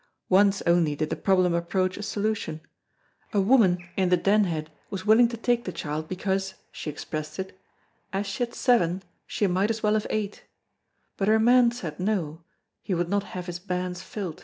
Once only did the problem approach solution; a woman in the Den head was willing to take the child because (she expressed it) as she had seven she might as well have eight, but her man said no, he would not have his bairns fil't.